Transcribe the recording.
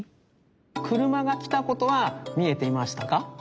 くるまがきたことはみえていましたか？